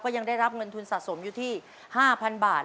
ยังได้รับเงินทุนสะสมอยู่ที่๕๐๐๐บาท